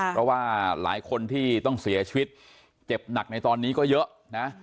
เพราะว่าหลายคนที่ต้องเสียชีวิตเจ็บหนักในตอนนี้ก็เยอะนะ